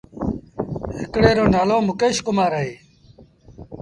هڪڙي روٚ نآلو مڪيش ڪمآر اهي۔